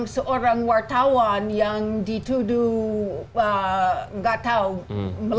atau seorang wartawan yang dituduh melanggar kode etik